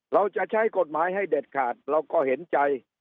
เราจะใช้กฎหมายให้เด็ดขาดเราก็เห็นใจ